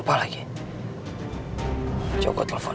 apakah yang boleh dikenal